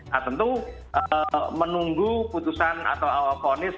nah tentu menunggu putusan atau awal vonis